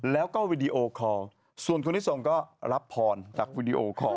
แล้วก็วีดีโอคอร์ส่วนคนที่ส่งก็รับพรจากวีดีโอคอล